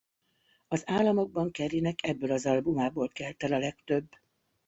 Az Államokban Careynek ebből az albumából kelt el a legtöbb.